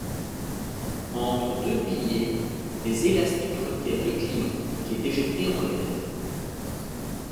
Entre deux piliers, des élastiques retiennent le client qui est éjecté en l'air.